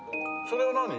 それは何？